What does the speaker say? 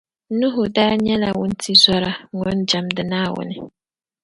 Nuhu daa nyɛla wuntizɔra ŋun jɛmdi Naawuni.